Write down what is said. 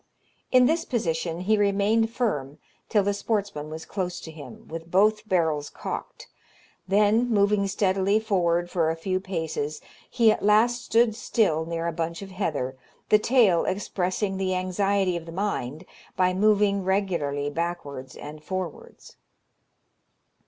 In this position he remained firm till the sportsman was close to him, with both barrels cocked, then moving steadily forward for a few paces, he at last stood still near a bunch of heather, the tail expressing the anxiety of the mind by moving regularly backwards and forwards.